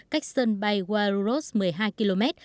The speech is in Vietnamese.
cách sân bay guarulhos một mươi hai km